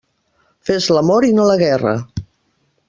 Fes l'amor i no la guerra.